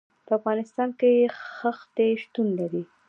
په افغانستان کې ښتې شتون لري.